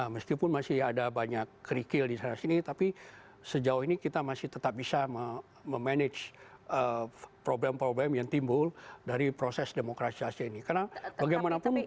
meskipun masih ada banyak kerikil di sana sini tapi sejauh ini kita masih tetap bisa memanage problem problem yang timbul dari proses demokrasi asia ini